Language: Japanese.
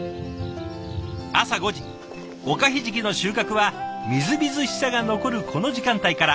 おかひじきの収穫はみずみずしさが残るこの時間帯から。